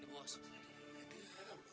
ya jadi seperti itu sekarang kan